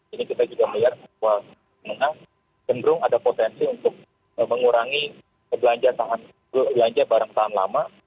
ini kita juga melihat bahwa menengah cenderung ada potensi untuk mengurangi belanja barang tahan lama